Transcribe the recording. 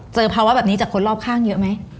ภาวะแบบนี้จากคนรอบข้างเยอะไหม